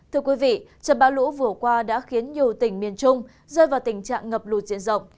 thưa quý vị trận bão lũ vừa qua đã khiến nhiều tỉnh miền trung rơi vào tình trạng ngập lụt diện rộng